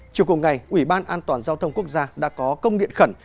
chiều cùng ngày ủy ban an toàn giao thông quốc gia đã có công điện khẩn